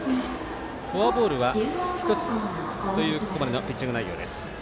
フォアボールは１つというここまでのピッチング内容です。